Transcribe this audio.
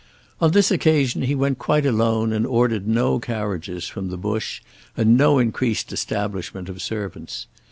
On this occasion he went quite alone and ordered no carriages from the Bush and no increased establishment of servants.